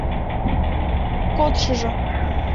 Кодшыжо.